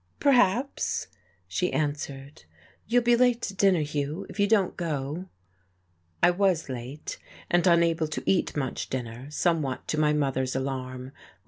"Perhaps," she answered. "You'll be late to dinner, Hugh, if you don't go...." I was late, and unable to eat much dinner, somewhat to my mother's alarm.